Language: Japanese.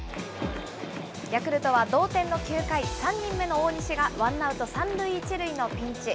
ヤクルトは同点の９回、３人目の大西が、ワンアウト３塁１塁のピンチ。